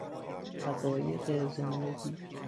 حقایق زندگی